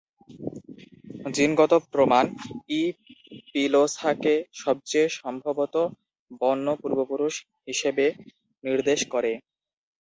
জিনগত প্রমাণ ই. পিলোসাকে সবচেয়ে সম্ভবত বন্য পূর্বপুরুষ হিসেবে নির্দেশ করে।